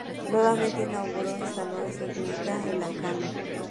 Nuevamente Nagumo instaló su insignia en el "Akagi".